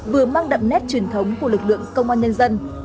vừa mang đậm nét truyền thống của lực lượng công an nhân dân